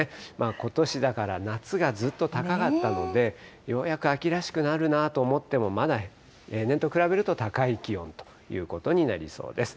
ことし、だから夏がずっと高かったので、ようやく秋らしくなるなと思っても、まだ例年と比べると高い気温ということになりそうです。